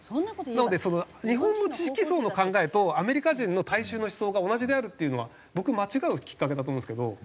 なので日本の知識層の考えとアメリカ人の大衆の思想が同じであるっていうのは僕間違うきっかけだと思うんですけど。